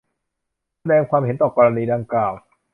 แสดงความเห็นต่อกรณีดังกล่าว